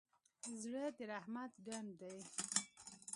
زړه د رحمت ډنډ دی.